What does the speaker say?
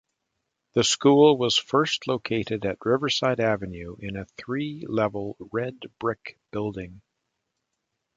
The school was first located at Riverside Avenue in a three-level red brick building.